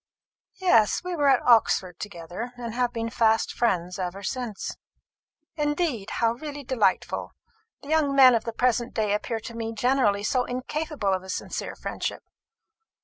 "Yes; we were at Oxford together, and have been fast friends ever since." "Indeed! how really delightful! The young men of the present day appear to me generally so incapable of a sincere friendship.